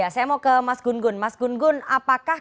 saya mau ke mas gun gun mas gun gun apakah